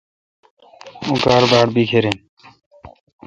اوں کار باڑ بکھر این۔